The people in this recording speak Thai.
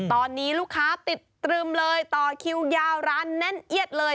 ตอนนี้ลูกค้าติดตรึมเลยต่อคิวยาวร้านแน่นเอียดเลย